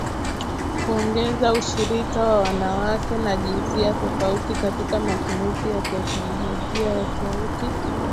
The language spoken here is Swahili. Kuongeza ushirika wa wanawake na jinsia tofauti katika matumizi ya teknolojia ya sauti.